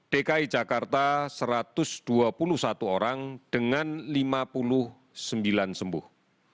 dki jakarta satu ratus dua puluh satu orang dengan lima puluh sembilan sembuh